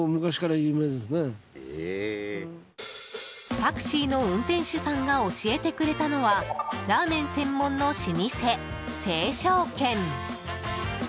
タクシーの運転手さんが教えてくれたのはラーメン専門の老舗、盛昭軒。